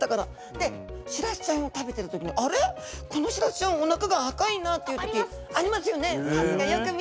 でシラスちゃんを食べてる時に「あれっ？このシラスちゃんおなかが赤いな」っていう時。あります！ありますよね？